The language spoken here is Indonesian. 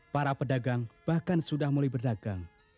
para pedagang bahkan sudah mulai berdagang